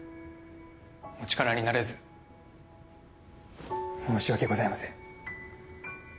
お力になれず申し訳ございません